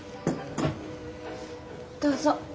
どうぞ。